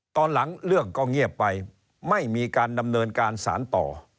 ตอนหลังเรื่องก็เงียบไปไม่มีการดำเนินการสารต่อ